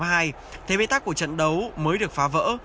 trong năm hai nghìn hai thế bế tắc của trận đấu mới được phá vỡ